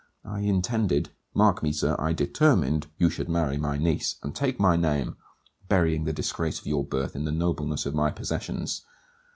I intended, mark me, sir, I determined you should marry my niece, and take my name, burying the disgrace of your birth in the nobleness of my possessions.